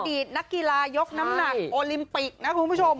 ตนักกีฬายกน้ำหนักโอลิมปิกนะคุณผู้ชม